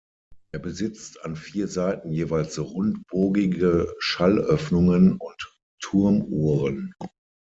Er besitzt an vier Seiten jeweils rundbogige Schallöffnungen und Turmuhren.